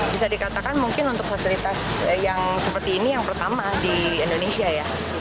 bisa dikatakan mungkin untuk fasilitas yang seperti ini yang pertama di indonesia ya